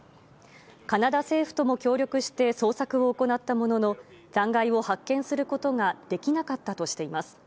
カナダ政府とも協力して捜索を行ったものの、残骸を発見することができなかったとしています。